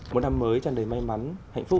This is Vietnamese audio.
một năm mới chăn đầy may mắn hạnh phúc